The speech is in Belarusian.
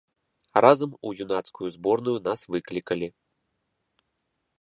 Разам у юнацкую зборную нас выклікалі.